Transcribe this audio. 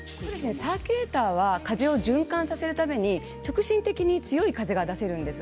サーキュレーターは風を循環させるため直進的に強い風が出せるんです。